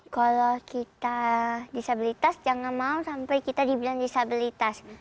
kalau kita disabilitas jangan mau sampai kita dibilang disabilitas